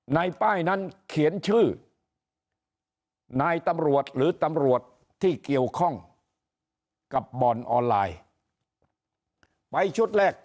ในป้ายนั้นเขียนชื่อนายตำรวจหรือตำรวจที่เกี่ยวข้องกับบ่อนออนไลน์ไปชุดแรก